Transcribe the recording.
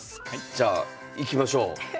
じゃあいきましょう。